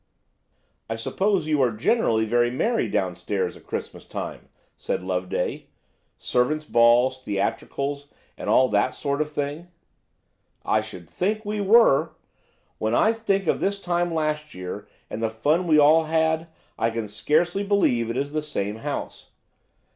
"I suppose you are generally very merry downstairs at Christmas time?" said Loveday. "Servants' balls, theatricals, and all that sort of thing?" "I should think we were! When I think of this time last year and the fun we all had, I can scarcely believe it is the same house.